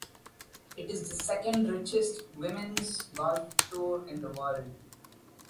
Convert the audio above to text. It is the second richest women's golf tour in the world.